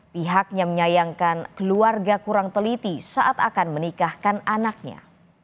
pihaknya menyayangkan keluarga kurang teliti saat akan menikahkan anaknya